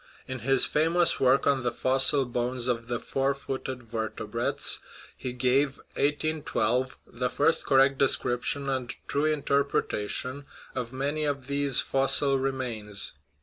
In his famous work on the fossil bones of the four footed vertebrates he gave (1812) the first correct description and true interpretation of many of these fos sil remains.